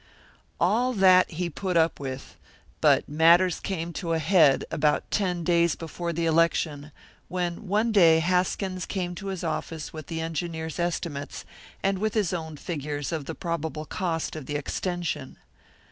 All that he put up with; but matters came to a head about ten days before the election, when one day Haskins came to his office with the engineers' estimates, and with his own figures of the probable cost of the extension.